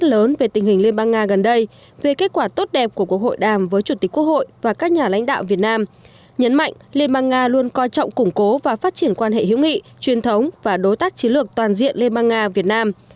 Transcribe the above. liên bang nga luôn coi trọng củng cố và phát triển quan hệ hữu nghị truyền thống và đối tác chiến lược toàn diện liên bang nga việt nam